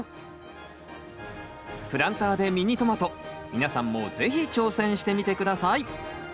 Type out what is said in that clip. プランターでミニトマト皆さんも是非挑戦してみて下さい。